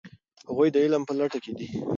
هغوی د علم په لټه کې دي.